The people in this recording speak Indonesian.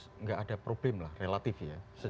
tidak ada problem lah relatif ya